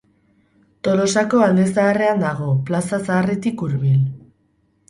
Tolosako Alde Zaharrean dago, Plaza Zaharretik hurbil.